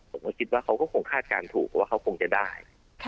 ผมก็คิดว่าเขาก็คงคาดการณ์ถูกเพราะว่าเขาคงจะได้